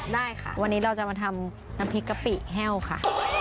ได้ค่ะวันนี้เราจะมาทำน้ำพริกกะปิแห้วค่ะ